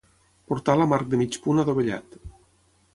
Portal amb arc de mig punt adovellat.